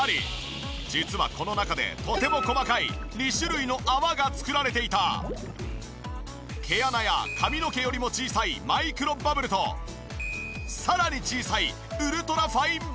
実はこの中でとても毛穴や髪の毛よりも小さいマイクロバブルとさらに小さいウルトラファインバブル。